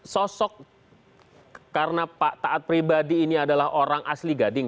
sosok karena pak taat pribadi ini adalah orang asli gading